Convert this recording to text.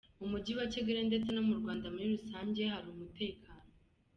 Mu Mujyi wa Kigali ndetse no mu Rwanda muri rusange hari umutekano.